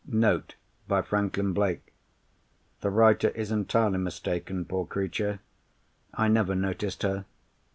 NOTE; by Franklin Blake.—The writer is entirely mistaken, poor creature. I never noticed her.